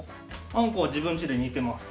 あんこは自分ちで煮てます。